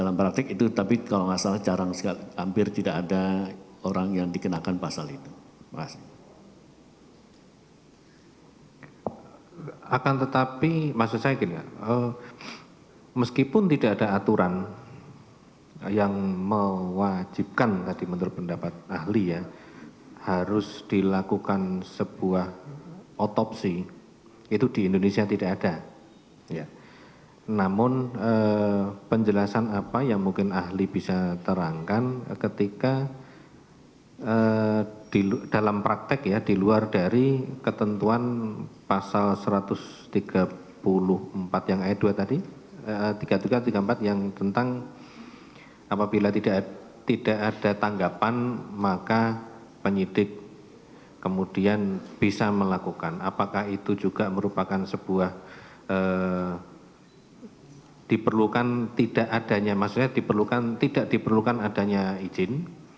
apakah itu juga merupakan sebuah diperlukan tidak adanya maksudnya tidak diperlukan adanya izin